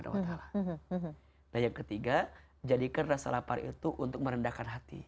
nah yang ketiga jadikan rasa lapar itu untuk merendahkan hati